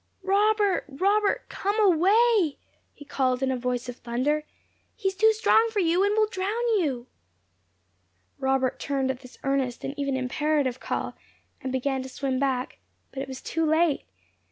"Robert! Robert! COME AWAY!" he called in a voice of thunder; "he is too strong for you, and will drown you!" Robert turned at this earnest and even imperative call, and began to swim back; but it was too late.